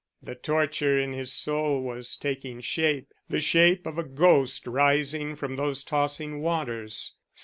The torture in his soul was taking shape, the shape of a ghost rising from those tossing waters.